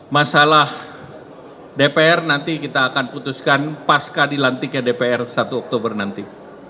masalah dpr nanti kita akan putuskan pasca dilantiknya dpr satu oktober nanti